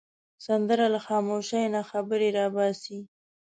سندره له خاموشۍ نه خبرې را باسي